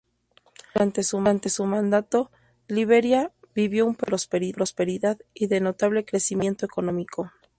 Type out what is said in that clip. Durante su mandato, Liberia, vivió un período de prosperidad, y de notable crecimiento económico.